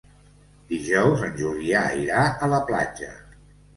Dijous en Julià irà a la platja.